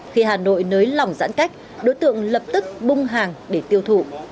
khi hà nội nới lỏng giãn cách đối tượng lập tức bung hàng để tiêu thụ